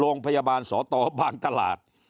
โรงพยาบาลสตบางตลาด